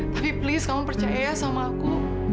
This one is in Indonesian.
tapi please kamu percaya ya sama aku